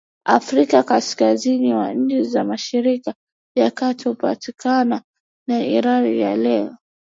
Afrika Kaskazini na nchi za Mashariki ya Kati kupakana na Iraki ya leo